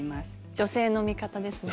女性の味方ですね。